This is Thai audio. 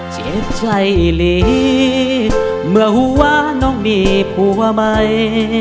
เจ็บใจหลีเมื่อหัวน้องมีผัวใหม่